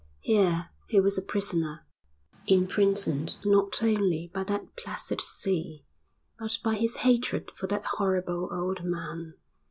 Here he was a prisoner, imprisoned not only by that placid sea, but by his hatred for that horrible old man.